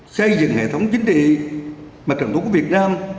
xây dựng hệ thống chính trị mặt trận thống của việt nam